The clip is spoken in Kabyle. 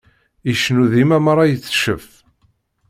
Icennu dima mara iteccef.